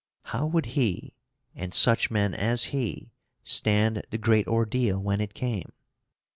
How would he and such men as he stand the great ordeal when it came?